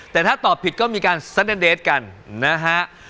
แต่ถ้าตอบผิดก็มีการซัดเดนเดสกันนะฮะ